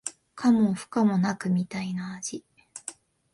可もなく不可もなくみたいな味